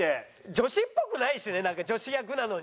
女子っぽくないしねなんか女子役なのに。